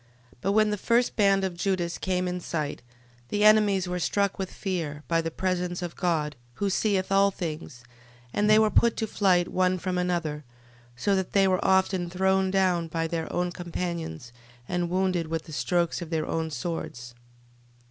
12:22. But when the first band of Judas came in sight, the enemies were struck with fear, by the presence of God, who seeth all things, and they were put to flight one from another, so that they were often thrown down by their own companions, and wounded with the strokes of their own swords.